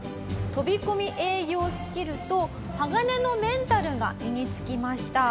飛び込み営業スキルと鋼のメンタルが身につきました。